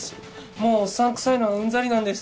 もうおっさん臭いのはうんざりなんです。